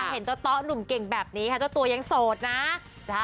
เห็นเจ้าต๊ะหนุ่มเก่งแบบนี้ค่ะเจ้าตัวยังโสดนะ